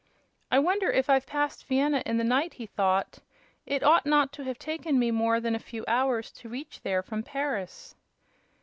"I wonder if I've passed Vienna in the night," he thought. "It ought not to have taken me more than a few hours to reach there from Paris."